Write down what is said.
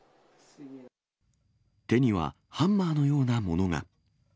手にはハンマーのようなものが。